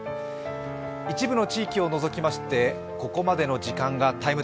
一部の地域を除きまして、ここまでの時間が「ＴＩＭＥ’」。